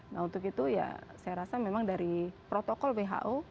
nah untuk itu ya saya rasa memang dari protokol who